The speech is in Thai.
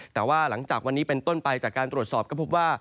แต่ว่าหลังจากวันนี้เป็นต้นไปจากการตรวจสอบก็พบว่า